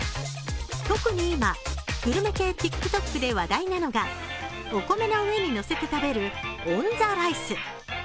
特に今、グルメ系ＴｉｋＴｏｋで話題なのがお米の上にのせて食べるオンザライス。